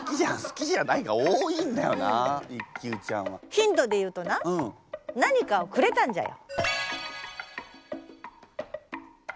ヒントで言うとな何かをくれたんじゃよ。